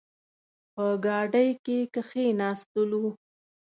په ګاډۍ کې کښېناستلو.